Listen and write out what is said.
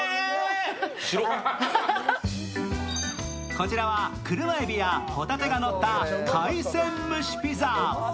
こちらは車海老やホタテがのった海鮮蒸しピザ。